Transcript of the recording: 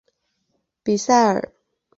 比塞尔。